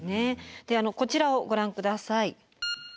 こちらをご覧ください。